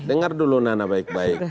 dengar dulu nana baik baik